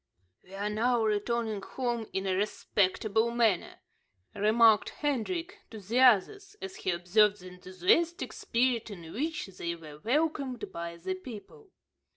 "We are now returning home in a respectable manner," remarked Hendrik to the others, as he observed the enthusiastic spirit in which they were welcomed by the people.